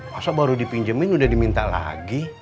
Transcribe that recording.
masa baru dipinjemin udah diminta lagi